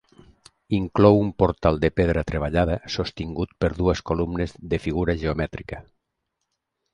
Inclou un portal de pedra treballada sostingut per dues columnes de figura geomètrica.